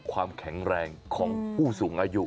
ความแข็งแรงของผู้สูงอายุ